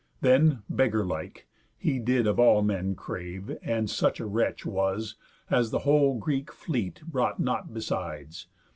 Then, beggar like, he did of all men crave, And such a wretch was, as the whole Greek fleet Brought not besides.